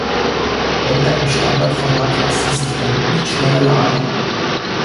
Bänder im Standard-Format lassen sich damit nicht schneller laden.